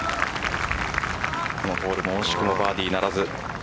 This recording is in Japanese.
このホールも惜しくもバーディーならず。